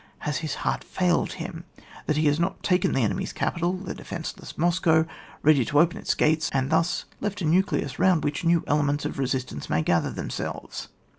Has his heart' failed him that he has not taken the enemy's capital, the defenceless Moscow, ready to open its gates, and thus left a nucleus round which new ele ments of resistance may gather them selves?